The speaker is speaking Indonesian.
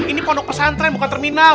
ini pondok pesantren bukan terminal